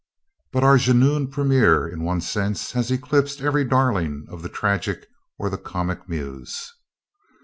But our "jeune premier" in one sense has eclipsed every darling of the tragic or the comic muse.